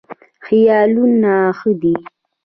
خیالونه ښه دي.